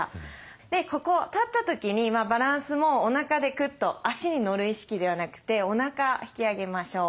でここ立った時にバランスもおなかでクッと足に乗る意識ではなくておなか引き上げましょう。